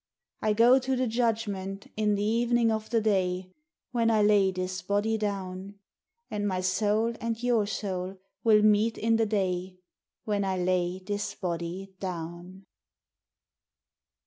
I go to de judgment in de evenin' of de day, When I lay dis body down ; And my soul and your soul will meet in de day When I lay dis body down.